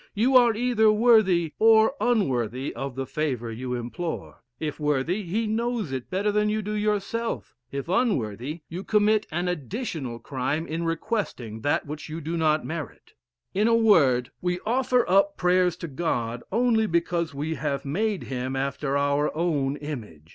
You are either worthy or unworthy of the favour you implore; if worthy, he knows it better than you do yourself; if unworthy, you commit an additional crime in requesting that which you do not merit. In a word, we offer up prayers to God only because we have made him after our own image.